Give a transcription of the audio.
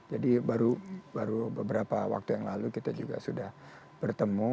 jadi baru beberapa waktu yang lalu kita juga sudah bertemu